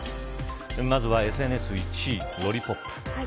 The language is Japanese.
まずはＳＮＳ１位、ロリポップ。